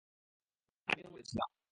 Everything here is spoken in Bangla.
আমিও মনে করেছিলাম।